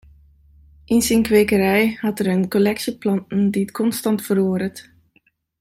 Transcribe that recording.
Yn syn kwekerij hat er in kolleksje planten dy't konstant feroaret.